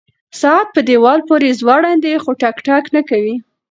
ساعت په دیوال پورې ځوړند دی خو ټک ټک نه کوي.